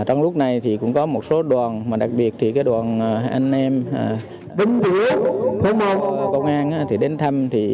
trong lúc này thì cũng có một số đoàn mà đặc biệt thì đoàn anh em đến công an đến thăm